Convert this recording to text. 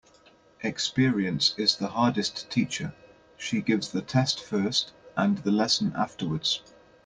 Experience is the hardest teacher. She gives the test first and the lesson afterwards.